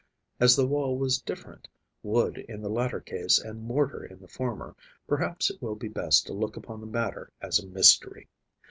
As the wall was different, wood in the latter case and mortar in the former, perhaps it will be best to look upon the matter as a mystery.